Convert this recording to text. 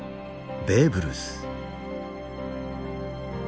ベーブ・ルース。